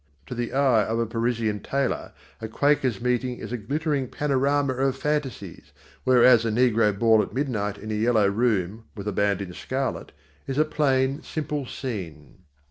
To the eye of a Parisian tailor, a Quakers' meeting is a glittering panorama of fantaisies, whereas a negro ball at midnight in a yellow room with a band in scarlet, is a plain, simple scene.